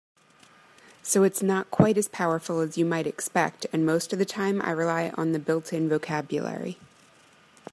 So it's not quite as powerful as you might expect, and most of the time I rely on the built-in vocabulary.